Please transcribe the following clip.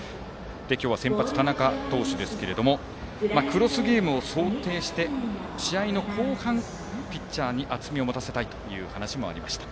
今日は先発が田中投手ですがクロスゲームを想定して試合の後半、ピッチャーに厚みを持たせたいという話もありました。